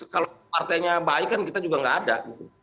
kalau partainya baik kan kita juga nggak ada